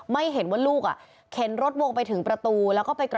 ไม่เห็นว่าลูก